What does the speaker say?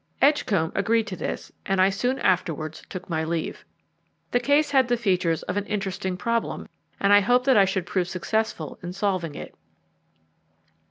Edgcombe agreed to this, and I soon afterwards took my leave. The case had the features of an interesting problem, and I hoped that I should prove successful in solving it.